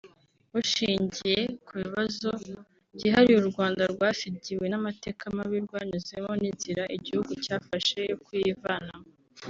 Bushingiye ku bibazo byihariye u Rwanda rwasigiwe n’amateka mabi rwanyuzemo n’inzira igihugu cyafashe yo kuyivanamo